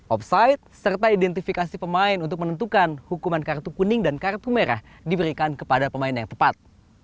offside serta identifikasi pemain untuk menentukan hukuman kartu kuning dan kartu merah diberikan kepada pemain yang tepat